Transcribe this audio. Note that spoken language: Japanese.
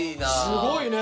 すごいね。